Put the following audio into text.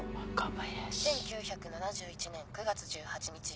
１９７１年９月１８日